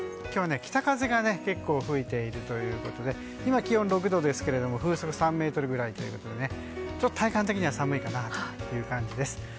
今日は北風が結構吹いているということで今、気温は６度ですが風速は３メートルぐらいということでちょっと体感的には寒いかなという感じです。